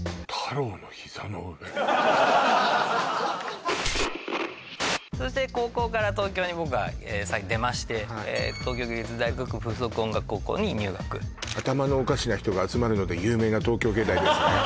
はいそして高校から東京に僕が出まして東京芸術大学附属音楽高校に入学頭のおかしな人が集まるので有名な東京芸大ですね